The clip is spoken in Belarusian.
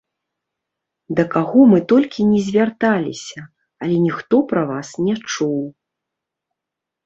Да каго мы толькі ні звярталіся, але ніхто пра вас не чуў.